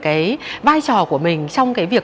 cái vai trò của mình trong cái việc